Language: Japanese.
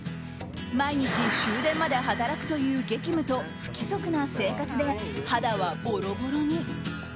毎日、終電まで働くという激務と不規則な生活で肌はボロボロに。